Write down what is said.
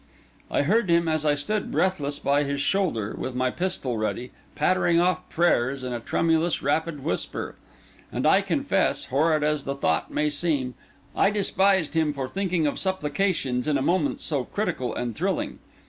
I heard him, as I stood breathless by his shoulder, with my pistol ready, pattering off prayers in a tremulous, rapid whisper; and I confess, horrid as the thought may seem, I despised him for thinking of supplications in a moment so critical and thrilling.